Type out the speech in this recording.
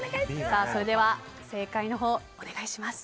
それでは正解をお願いします。